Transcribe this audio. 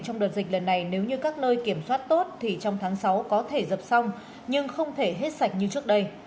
trong đợt dịch lần này nếu như các nơi kiểm soát tốt thì trong tháng sáu có thể dập xong nhưng không thể hết sạch như trước đây